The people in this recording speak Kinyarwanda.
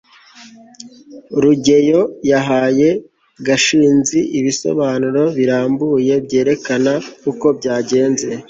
rugeyo yahaye gashinzi ibisobanuro birambuye byerekana uko byagenze